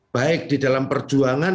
baik di dalam perjuangan